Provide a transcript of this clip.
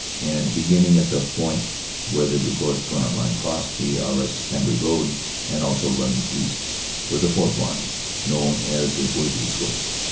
And, beginning at the point where the Drocourt Queant line crossed the Arras Cambrai road, and also running east, was a fourth line, known as the Buissy Switch.